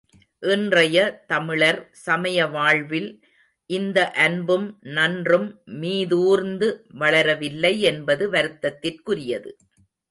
இன்றைய தமிழர் சமய வாழ்வில் இந்த அன்பும், நன்றும் மீதுர்ந்து வளரவில்லை என்பது வருத்தத்திற்குரியது.